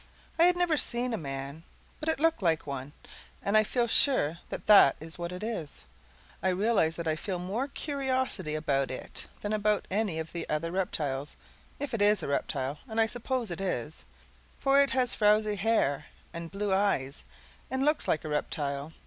I had never seen a man, but it looked like one, and I feel sure that that is what it is. I realize that I feel more curiosity about it than about any of the other reptiles. If it is a reptile, and I suppose it is; for it has frowzy hair and blue eyes, and looks like a reptile.